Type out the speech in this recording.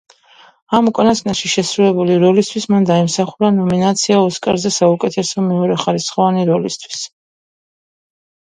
ამ უკანასკნელში შესრულებული როლისთვის მან დაიმსახურა ნომინაცია ოსკარზე საუკეთესო მეორეხარისხოვანი როლისთვის.